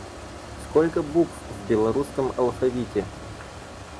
Сколько букв в белорусском алфавите?